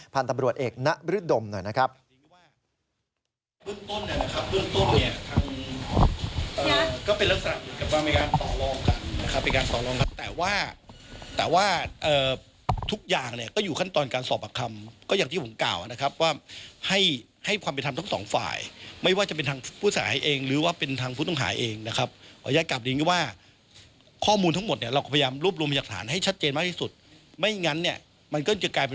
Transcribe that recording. ผ่านตำรวจเอกณรึดดมหน่อยนะครับ